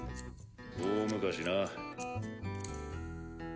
大昔な。